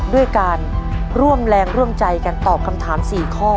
ด้วยการร่วมแรงร่วมใจกันตอบคำถาม๔ข้อ